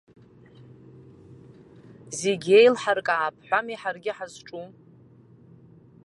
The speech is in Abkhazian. Зегь иеилҳаркаап ҳәа ами ҳаргьы ҳазҿу.